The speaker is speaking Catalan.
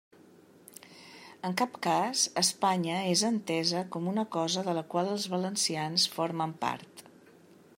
En cap cas Espanya és entesa com una cosa de la qual els valencians formen part.